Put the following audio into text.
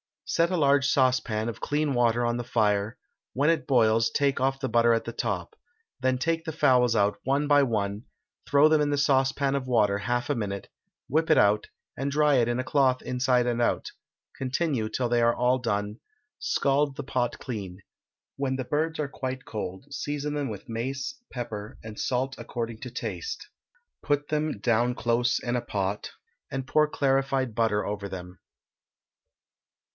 Set a large saucepan of clean water on the fire, when it boils take off the butter at the top, then take the fowls out one by one, throw them in the saucepan of water half a minute, whip it out, and dry it in a cloth inside and out, continue till they are all done; scald the pot clean, when the birds are quite cold, season them with mace, pepper, and salt according to taste, put them down close in a pot, and pour clarified butter over them.